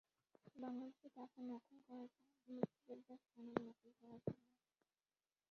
বাংলাদেশে টাকা নকল করা যাবে, মুক্তিযোদ্ধা সনদ নকল করা যাবে না।